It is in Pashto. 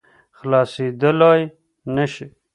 خلاصېدلای نه شي.